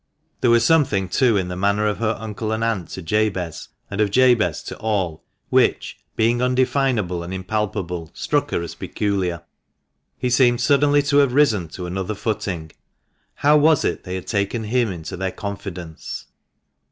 There was something, too, in the manner of her uncle and aunt to Jabez, and of Jabez to all, which, being undefmable and impalpable, struck her as peculiar. He seemed suddenly to have risen to another footing. How was it they had taken him into their confidence